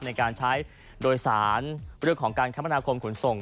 ในการใช้โดยสารเรื่องของการคมนาคมขนส่ง